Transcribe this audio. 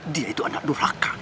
dia itu anak nuraka